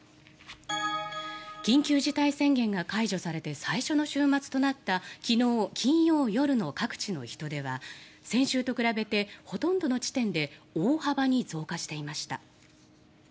緊急事態宣言が解除されて最初の週末となった昨日金曜日夜の各地の人出は先週と比べてほとんどの地点で大幅に増加していました。